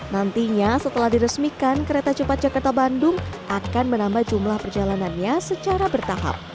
nantinya setelah diresmikan kereta cepat jakarta bandung akan menambah jumlah perjalanannya secara bertahap